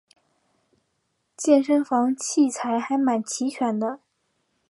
健身房器材还蛮齐全的